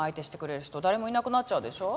誰もいなくなっちゃうでしょ？